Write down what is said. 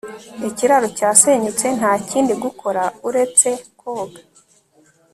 ikiraro cyasenyutse, nta kindi gukora uretse koga